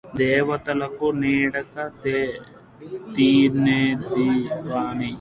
దేవతలకు నిడక తినెడివాని